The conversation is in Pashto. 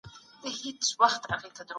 پاچا د ولس د حاله څنګه ځان خبراوه؟